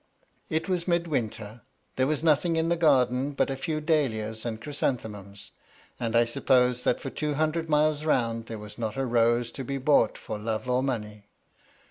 It was midwinter. There was nothing in the gardens but a few dahlias and chrysanthemums, and I suppose that for two hundred miles round there was not a rose to be bought for love or money.